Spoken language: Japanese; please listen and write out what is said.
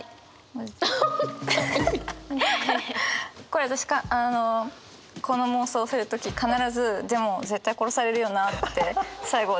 これ私この妄想する時必ずでも絶対殺されるよなって最後。